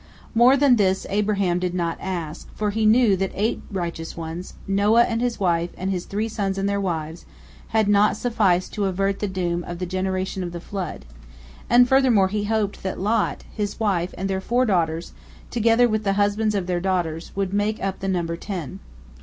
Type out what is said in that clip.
More than this Abraham did not ask, for he knew that eight righteous ones, Noah and his wife, and his three sons and their wives, had not sufficed to avert the doom of the generation of the flood, and furthermore he hoped that Lot, his wife, and their four daughters, together with the husbands of their daughters, would make up the number ten.